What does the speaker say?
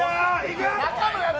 中のやつ。